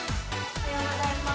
おはようございます。